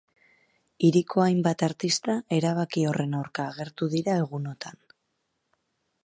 Hiriko hainbat artista erabaki horren aurka agertu dira egunotan.